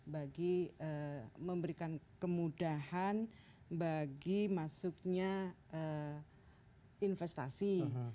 bagi memberikan kemudahan bagi masuknya investasi